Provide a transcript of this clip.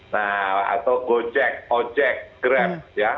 nah atau gojek ojek grab ya